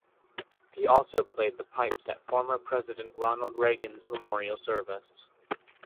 He also played the pipes at former President Ronald Reagan's memorial service.